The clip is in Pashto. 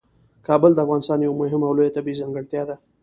کابل د افغانستان یوه مهمه او لویه طبیعي ځانګړتیا ده.